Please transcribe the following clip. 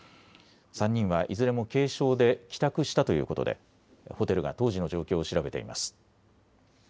３人はいずれも軽症で帰宅したということでホテルが当時の状況を調べています。